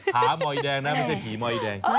ภาหมออีแดงนะไม่ใช่ผีหมออีแดง